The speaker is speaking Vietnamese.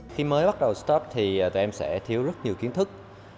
khi mới bắt đầu start thì tụi em sẽ thiếu rất nhiều kiến thức